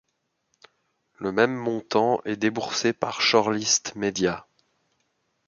Le même montant est déboursé par Shorlist Media.